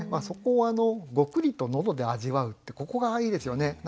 そこを「ごくりと喉で味わう」ってここがいいですよね。